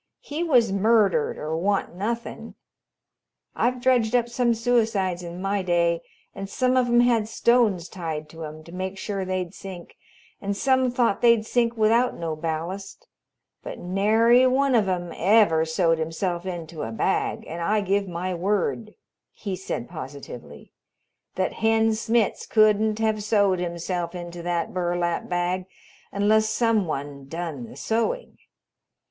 He was murdered or wan't nothin'! I've dredged up some suicides in my day, and some of 'em had stones tied to 'em, to make sure they'd sink, and some thought they'd sink without no ballast, but nary one of 'em ever sewed himself into a bag, and I give my word," he said positively, "that Hen Smitz couldn't have sewed himself into that burlap bag unless some one done the sewing.